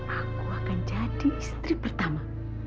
aku akan jadi istri pertama